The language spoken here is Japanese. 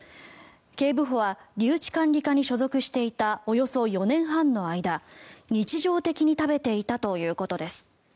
警部補は留置管理課に所属していたおよそ４年半の間日常的に食べていたということです。